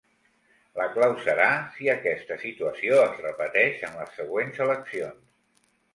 La clau serà si aquesta situació es repeteix en les següents eleccions.